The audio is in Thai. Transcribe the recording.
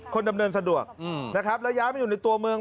ดำเนินสะดวกนะครับแล้วย้ายมาอยู่ในตัวเมือง